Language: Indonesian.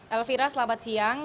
elvira selamat siang